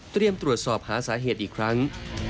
เตรียมตรวจสอบหาสาเหตุอีกครั้ง